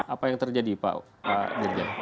apa yang terjadi pak dirjen